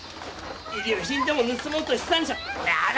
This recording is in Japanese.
遺留品でも盗もうとしてたんじゃ。